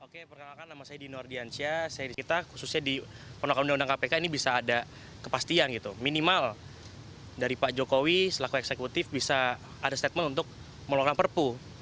kita khususnya di penolakan undang undang kpk ini bisa ada kepastian gitu minimal dari pak jokowi selaku eksekutif bisa ada statement untuk melakukan perpu